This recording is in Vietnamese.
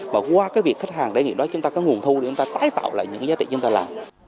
và qua cái việc khách hàng trải nghiệm đó chúng ta có nguồn thu để chúng ta tái tạo lại những giá trị chúng ta làm